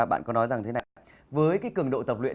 bạn có nói rằng thế nào với cái cường độ tập luyện